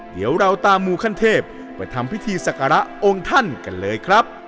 เดี๋ยวเราตามมูขั้นเทพไปทำพิธีศักระองค์ท่านกันเลยครับ